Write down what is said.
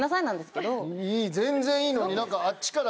全然いいのに。